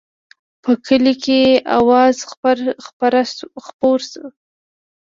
په کلي کې اوازه خپره شوه.